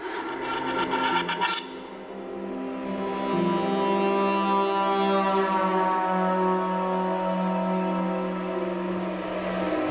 มือ